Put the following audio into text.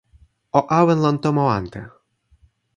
o awen lon tomo ante.